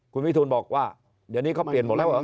คุณวิทูลบอกว่าเดี๋ยวนี้เขาเปลี่ยนหมดแล้วเหรอ